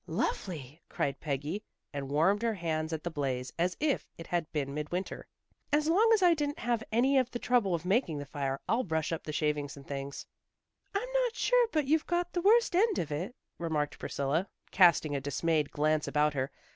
"Lovely!" cried Peggy, and warmed her hands at the blaze as if it had been midwinter. "As long as I didn't have any of the trouble of making the fire, I'll brush up the shavings and things." "I'm not sure but you've got the worst end of it," remarked Priscilla, casting a dismayed glance about her.